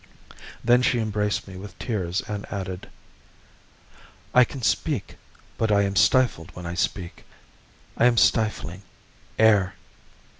Then she embraced me with tears and added: "I can speak, but I am stifled when I speak; I am stifling. Air!"